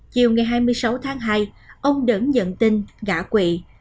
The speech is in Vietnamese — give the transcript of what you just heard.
chiều ngày hai mươi sáu tháng hai ông đẫn nhận tin gã quỵ